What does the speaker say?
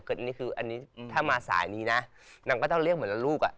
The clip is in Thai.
แต่ก็นี่คืออันนี้ถ้ามาสายหนีน่ะนางก็ต้องเรียกเหมือนละลูกอะ